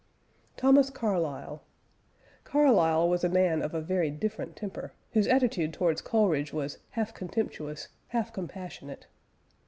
" THOMAS CARLYLE. Carlyle was a man of a very different temper, whose attitude towards Coleridge was "half contemptuous, half compassionate."